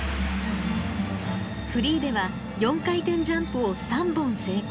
フリーでは４回転ジャンプを３本成功。